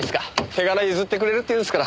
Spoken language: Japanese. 手柄譲ってくれるっていうんですから。